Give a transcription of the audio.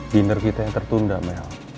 dinner kita yang tertunda meal